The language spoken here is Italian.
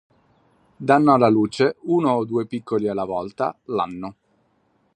Danno alla luce uno o due piccoli alla volta l'anno.